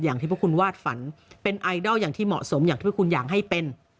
อย่างที่พวกคุณวาดฝันเป็นไอดอลอย่างที่เหมาะสมอย่างที่พวกคุณอยากให้เป็น